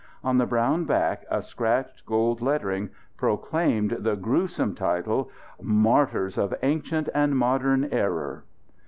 On the brown back a scratched gold lettering proclaimed the gruesome title: "Martyrs of Ancient and Modern Error."